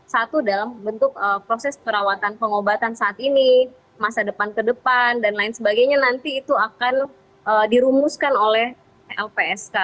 satu dalam bentuk proses perawatan pengobatan saat ini masa depan ke depan dan lain sebagainya nanti itu akan dirumuskan oleh lpsk